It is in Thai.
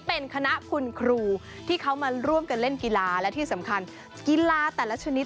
เป็นคณะคุณครูที่เขามาร่วมกันเล่นกีฬาและที่สำคัญกีฬาแต่ละชนิด